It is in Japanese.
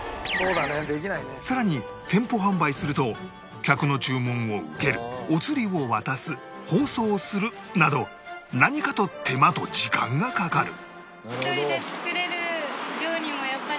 更に店舗販売すると客の注文を受けるお釣りを渡す包装するなど何かと手間と時間がかかる